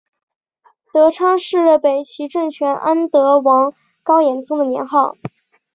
德昌是北齐政权安德王高延宗的年号。